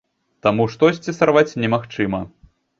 Таму штосьці сарваць немагчыма.